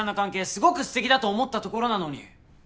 すごくすてきだと思ったところなのに。